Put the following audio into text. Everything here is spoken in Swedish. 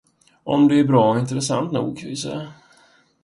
Om det är bra och intressant nog, vill säga.